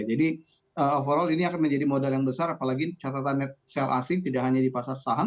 jadi overall ini akan menjadi modal yang besar apalagi catatan net sale asing tidak hanya di pasar saham